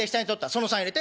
その３円入れて」。